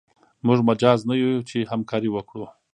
موږ مجاز نه یو چې همکاري وکړو.